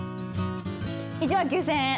１万９，０００円！